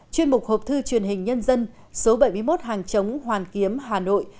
chuyên mục hộp thư truyền hình nhân dân số bảy mươi một hàng chống hoàn kiếm hà nội